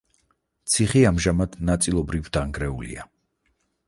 ციხე ამჟამად ნაწილობრივ დანგრეულია.